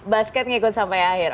basket ngikut sampai akhir